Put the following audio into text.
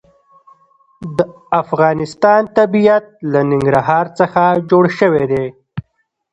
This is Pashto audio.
د افغانستان طبیعت له ننګرهار څخه جوړ شوی دی.